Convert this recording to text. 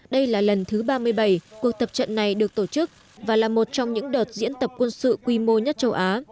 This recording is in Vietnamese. đây là lần thứ ba mươi bảy cuộc tập trận này được tổ chức và là một trong những đợt diễn tập quân sự quy mô nhất châu á